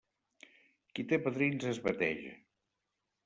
Qui té padrins es bateja.